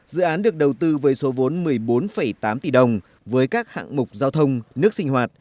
dự án được đầu tư với số vốn một mươi bốn tám tỷ đồng với các hạng mục giao thông nước sinh hoạt